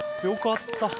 よかった！